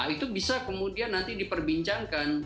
itu bisa kemudian nanti diperbincangkan